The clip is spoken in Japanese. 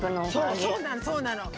そうそうなのそうなの。